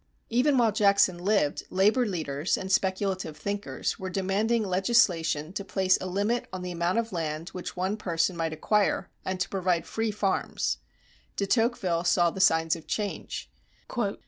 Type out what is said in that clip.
Even while Jackson lived, labor leaders and speculative thinkers were demanding legislation to place a limit on the amount of land which one person might acquire and to provide free farms. De Tocqueville saw the signs of change.